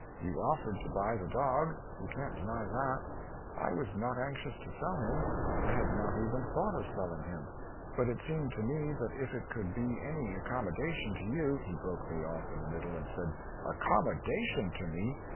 You offered to buy the dog; you can't deny that I was not anxious to sell him I had not even thought of selling him, but it seemed to me that if it could be any accommodation to you " He broke me off in the middle, and said, "Accommodation to me?